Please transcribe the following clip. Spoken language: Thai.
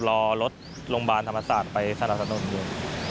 รอรถโรงพยาบาลธรรมศาสตร์ไปสรรค์สรรค์ตรงนี้